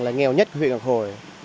là nghèo nhất của huyện ngọc hồi